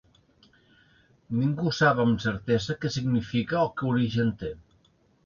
Ningú sap amb certesa que significa o que origen té.